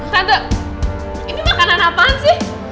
sandok ini makanan apaan sih